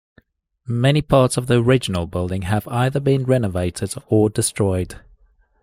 Many parts of the original building have either been renovated or destroyed.